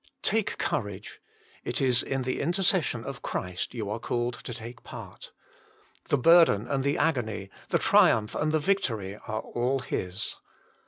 Take courage ; it is in the intercession of Christ you are called to take part. The burden and the agony, the triumph and the victory are all His.